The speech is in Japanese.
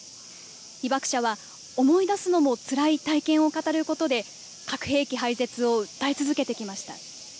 被爆者は思い出すのもつらい体験を語ることで、核兵器廃絶を訴え続けてきました。